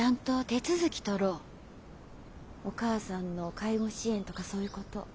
お母さんの介護支援とかそういうこと。